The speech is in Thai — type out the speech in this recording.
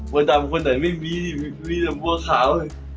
ดำคนไหนไม่มีมีแต่บัวขาวเลย